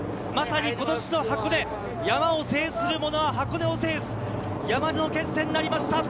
今年の箱根、山を制する者は箱根を制する、山での決戦になりました。